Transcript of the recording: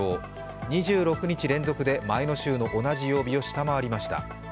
２６日連続で前の週の同じ曜日を下回りました。